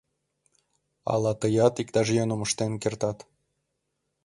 Ала тыят иктаж йӧным ыштен кертат?